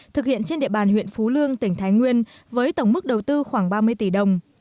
thực hiện trên địa bàn huyện phú lương tỉnh thái nguyên với tổng mức đầu tư khoảng ba mươi tỷ đồng